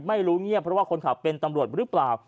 เงียบเพราะว่าคนขับเป็นตำรวจหรือเปล่า